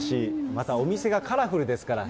またお店がカラフルですから。